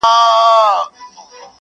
وایې خدای دې کړي خراب چي هرچا وړﺉ-